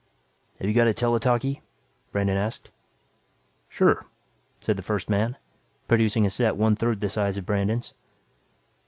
"Have you got a tele talkie?" Brandon asked. "Sure," said the first man, producing a set one third the size of Brandon's.